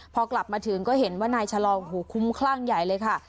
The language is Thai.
พอกลับมาถึงก็เห็นว่านายชะลองหูคุ้มคลั่งใหญ่เลยค่ะ